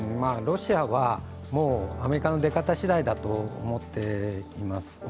ロシアはもうアメリカの出方しだいだと思っています。